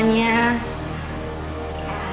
ini minuman buat semuanya